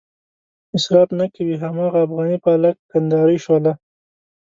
اصراف نه کوي هماغه افغاني پالک، کندهارۍ شوله.